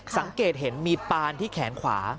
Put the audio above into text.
สังเกตเห็นมีปานที่แขนขวา